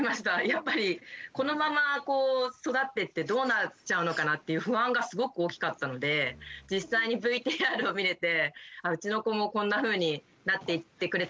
やっぱりこのままこう育ってってどうなっちゃうのかなっていう不安がすごく大きかったので実際にＶＴＲを見れてうちの子もこんなふうになっていってくれたらいいなと思いますし。